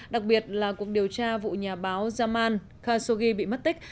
đặc biệt là cuộc điều tra vụ nhà báo zaman khashoggi bị mất tích